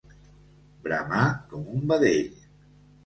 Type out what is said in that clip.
Bramar com un vedell.